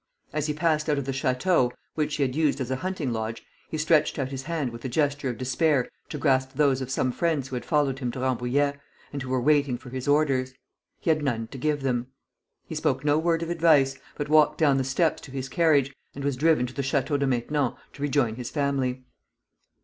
As he passed out of the chateau, which he had used as a hunting lodge, he stretched out his hand with a gesture of despair to grasp those of some friends who had followed him to Rambouillet, and who were waiting for his orders. He had none to give them. He spoke no word of advice, but walked down the steps to his carriage, and was driven to the Château de Maintenon to rejoin his family.